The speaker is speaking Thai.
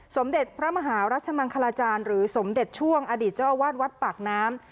สมเด็จพระมหารัชมังคลาจารย์หรือสมเด็จช่วงอดีตเจ้าอาวาสวัดปากน้ำ